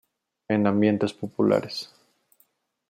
En ambientes populares.